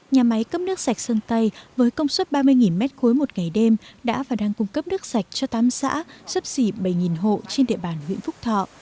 nhà máy cấp nước sạch sơn tây với công suất ba mươi m ba một ngày đêm đã và đang cung cấp nước sạch cho tám xã sắp xỉ bảy hộ trên địa bàn huyện phúc thọ